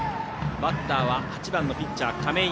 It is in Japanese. バッターは８番ピッチャー、亀井。